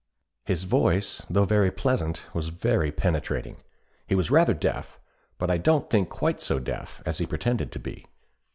"His voice, though very pleasant, was very penetrating. He was rather deaf, but I don't think quite so deaf as he pretended to be.